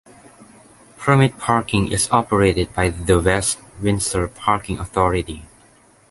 Permit parking is operated by the West Windsor Parking Authority.